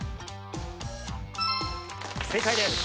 正解です。